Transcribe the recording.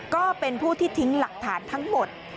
ก็เป็นผู้ที่ทิ้งหลักฐานทั้งหมด